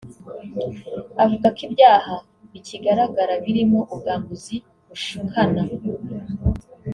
Avuga ko ibyaha bikigaragara birimo ubwambuzi bushukana